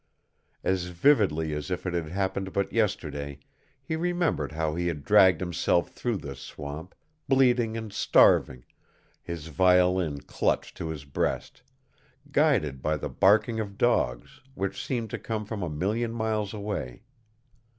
As vividly as if it had happened but yesterday, he remembered how he had dragged himself through this swamp, bleeding and starving, his violin clutched to his breast, guided by the barking of dogs, which seemed to come from a million miles away.